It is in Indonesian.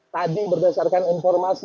tadi berdasarkan informasi